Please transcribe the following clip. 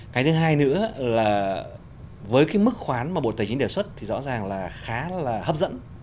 cái thứ hai nữa là với cái mức khoán mà bộ tài chính đề xuất thì rõ ràng là khá là hấp dẫn